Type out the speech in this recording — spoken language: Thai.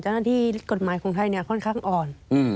เจ้าหน้าที่กฎหมายของไทยเนี่ยค่อนข้างอ่อน